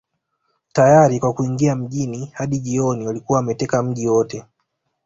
Tayari kwa kuingia mjini Hadi jioni walikuwa wameteka mji wote